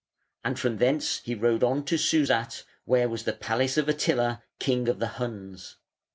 And from thence he rode on to Susat, where was the palace of Attila, King of the Huns.